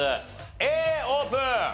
Ａオープン！